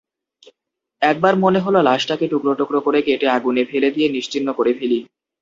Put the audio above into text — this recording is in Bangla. একবার মনে হল লাশটাকে টুকরো টুকরো করে কেটে আগুনে ফেলে দিয়ে নিশ্চিহ্ন করে ফেলি।